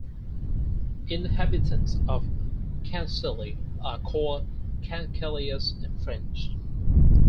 Inhabitants of Cancale are called "Cancalais" in French.